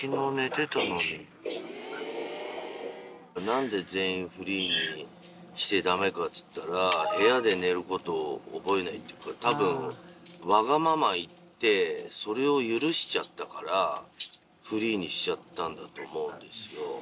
何で全員フリーにして駄目かっつったら部屋で寝ることを覚えないっていうかたぶんわがままいってそれを許しちゃったからフリーにしちゃったんだと思うんですよ。